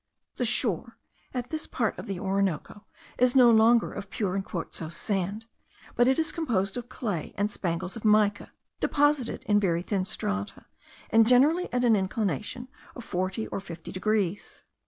The shore, at this part of the Orinoco, is no longer of pure and quartzose sand; but is composed of clay and spangles of mica, deposited in very thin strata, and generally at an inclination of forty or fifty degrees.